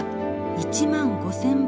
１万５，０００倍。